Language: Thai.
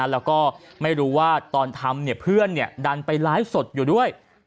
แล้วก็ไม่รู้ว่าตอนทำเพื่อนดันไปไลฟ์สดอยู่ด้วย